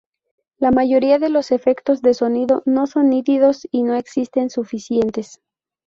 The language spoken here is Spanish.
La mayoría de los efectos de sonido no son nítidos y no existen suficientes.